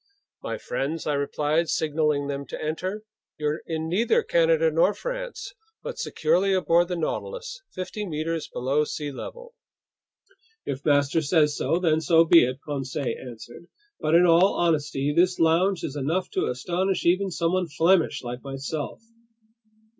"My friends," I replied, signaling them to enter, "you're in neither Canada nor France, but securely aboard the Nautilus, fifty meters below sea level." "If master says so, then so be it," Conseil answered. "But in all honesty, this lounge is enough to astonish even someone Flemish like myself."